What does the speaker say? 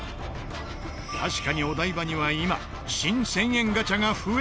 確かにお台場には今新１０００円ガチャが増えまくっていた！